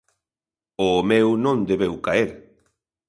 O meu non debeu caer.